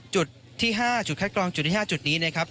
จุดที่๕จุดคัดกรองจุดที่๕จุดนี้นะครับ